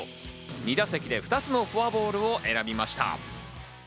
２打席で２つのフォアボールを選びました。